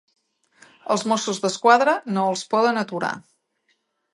Els Mossos d'Esquadra no els poden aturar.